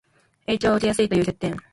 影響を受けやすいという欠点